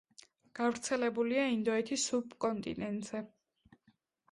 გავრცელებულია ინდოეთის სუბკონტინენტზე.